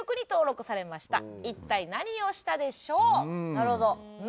なるほど。